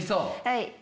はい。